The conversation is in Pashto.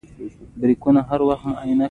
تر سره کړو باید.